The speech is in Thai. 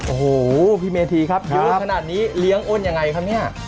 โอ้โหพี่เมธีครับเยอะขนาดนี้เลี้ยงอ้นยังไงครับเนี่ย